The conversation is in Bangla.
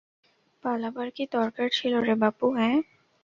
পালাবার কী দরকার ছিল রে বাপু, অ্যাঁ?